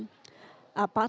nah itu belum disuruh